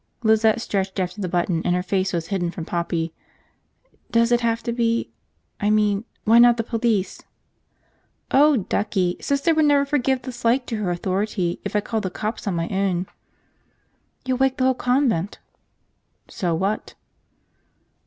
Lizette stretched after the button and her face was hidden from Poppy. "Does it have to be – I mean, why not the police?" "Oh, ducky, Sister would never forgive the slight to her authority if I called the cops on my own!" "You'll wake the whole convent." "So what?"